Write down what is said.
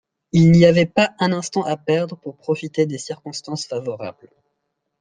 Il n’y avait pas un instant à perdre pour profiter des circonstances favorables.